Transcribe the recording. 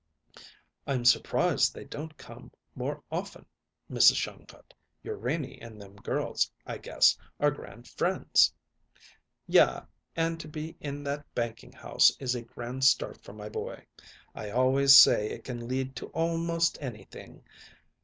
"I'm surprised they don't come more often, Mrs. Shongut; your Renie and them girls, I guess, are grand friends." "Ya; and to be in that banking house is a grand start for my boy. I always say it can lead to almost anything.